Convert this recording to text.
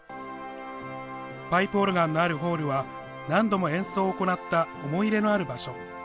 パイプオルガンのあるホールは何度も演奏を行った思い入れのある場所。